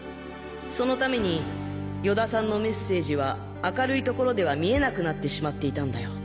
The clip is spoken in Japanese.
そのために与田さんのメッセージは明るい所では見えなくなってしまっていたんだよ。